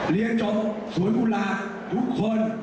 เรียนจบสวนกุลาทุกคน